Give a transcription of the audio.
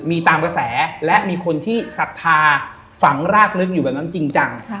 มีตามกระแสและมีคนที่ศรัทธาฝังรากลึกอยู่แบบนั้นจริงจัง